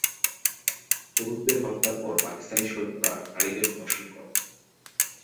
পুরুষদের হত্যার পর, পাকিস্তানি সৈন্যরা নারীদের ধর্ষণ করে।